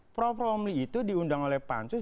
prof romli itu diundang oleh pansus